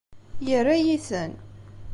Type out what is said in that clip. Yerra-yi-ten.